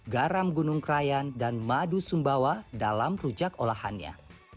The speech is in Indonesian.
garam gunung krayan dan madu sumbawa dalam rujak olahannya